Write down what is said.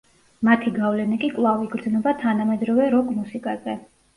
მათი გავლენა კი კვლავ იგრძნობა თანამედროვე როკ-მუსიკაზე.